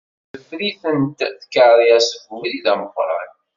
Ttzefritent tkeṛyas deg ubrid ameqqran.